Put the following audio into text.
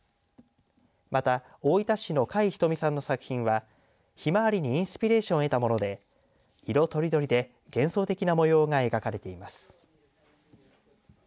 また大分市の甲斐瞳さんの作品はひまわりにインスピレーションを得たもので色とりどりで幻想的な模様が描かれています。